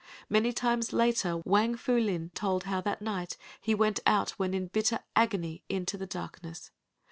Many times later Wang Pu Lin told how that night he went out when in bitter agony into the darkness.